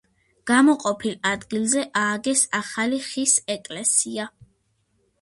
გამოყოფილ ადგილზე ააგეს ახალი ხის ეკლესია.